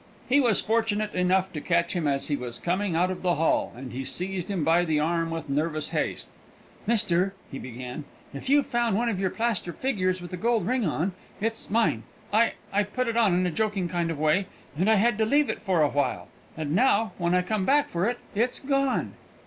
He was fortunate enough to catch him as he was coming out of the hall, and he seized him by the arm with nervous haste. "Mister," he began, "if you've found one of your plaster figures with a gold ring on, it's mine. I I put it on in a joking kind of way, and I had to leave it for awhile; and now, when I come back for it, it's gone!"